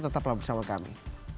tetap bersama kami